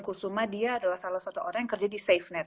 jadi ellen kusuma dia adalah salah satu orang yang kerja di safenet